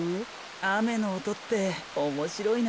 あめのおとっておもしろいな。